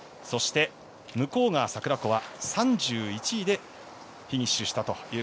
そして向川桜子は３１位でフィニッシュしました。